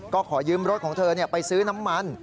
ก็ขอยืมรถของเธอไปซื้อน้ำมัน